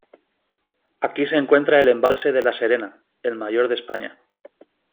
Aquí se encuentra el Embalse de La Serena, el mayor de España.